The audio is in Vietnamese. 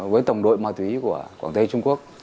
với tổng đội ma túy của quảng tây trung quốc